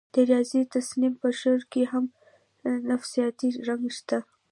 د ریاض تسنیم په شعر کې هم نفسیاتي رنګ شته